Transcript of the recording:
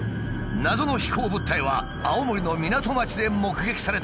謎の飛行物体は青森の港町で目撃されたという。